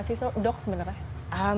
masih sudah dok sebenarnya